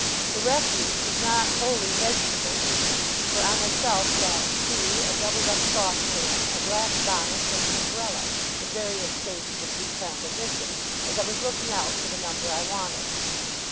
The refuse was not wholly vegetable either, for I myself saw a shoe, a doubled up saucepan, a black bonnet, and an umbrella, in various stages of decomposition, as I was looking out for the number I wanted.